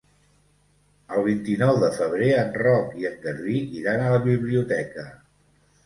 El vint-i-nou de febrer en Roc i en Garbí iran a la biblioteca.